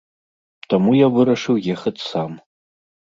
Таму я вырашыў ехаць сам.